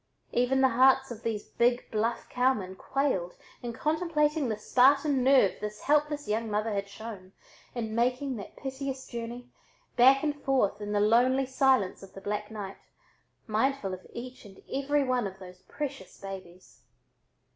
Even the hearts of these big bluff cowmen quailed in contemplating the Spartan nerve this helpless young mother had shown in making that piteous journey, back and forth in the lonely silence of the black night, mindful of each and every one of those precious babies.